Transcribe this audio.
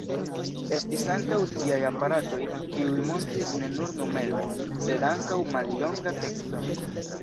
Estis ankaŭ tiaj aparatoj, kiuj montris ne nur numeron, sed ankaŭ mallongan tekston.